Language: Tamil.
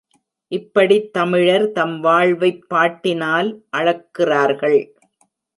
இப்படித் தமிழர் தம் வாழ்வைப் பாட்டினால் அளக்கிறார்கள்.